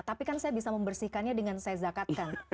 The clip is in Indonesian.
tapi kan saya bisa membersihkannya dengan saya zakatkan